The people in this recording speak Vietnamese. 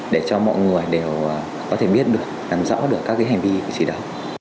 để cho mọi người đều có thể biết được làm rõ được các cái hành vi cử chỉ đó